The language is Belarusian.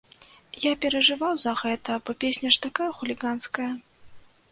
Я перажываў за гэта, бо песня ж такая хуліганская!